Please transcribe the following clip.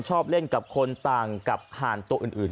ชอบเล่นกับคนต่างกับห่านตัวอื่น